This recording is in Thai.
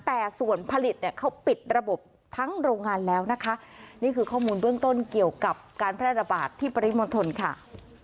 แต่ส่วนผลิตเนี่ยเขาปิดระบบทั้งโรงงานแล้วนะคะนี่คือข้อมูลเบื้องต้นเกี่ยวกับการแพร่ระบาดที่ปริมณฑลค่ะ